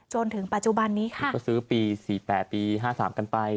จนถึงปัจจุบันนี้ค่ะก็ซื้อปีสี่แปลปีห้าสามกันไป